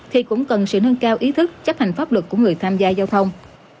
thì cũng cần sự nâng cao ý thức chấp hành pháp luật của người tham gia giao thông